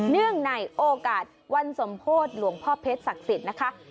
เนื่องในโอกาสวันสมโพธิหลวงพ่อเพชรศักดิ์สิทธิ์นะคะ